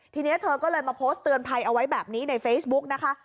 ทีนี้เธอก็เลยมาโพสต์เตือนภัยเอาไว้แบบนี้ในเฟซบุ๊กนะคะ